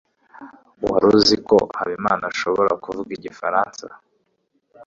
Wari uzi ko Habimana ashobora kuvuga igifaransa?